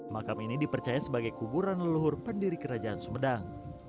makam ini dipercaya sebagai kuburan leluhur pendiri kerajaan sumedang